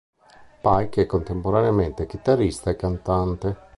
Pike è contemporaneamente chitarrista e cantante.